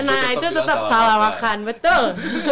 nah itu tetap salah makan betul